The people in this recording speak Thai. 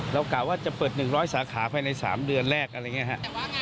กล่าวว่าจะเปิด๑๐๐สาขาภายใน๓เดือนแรกอะไรอย่างนี้ครับ